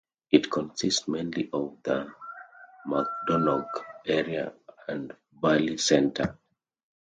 It consists mainly of the McDonogh area and Valley Centre.